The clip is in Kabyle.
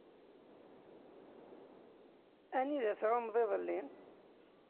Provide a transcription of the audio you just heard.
Anida i tɛummeḍ iḍelli?